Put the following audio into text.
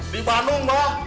di bandung mbah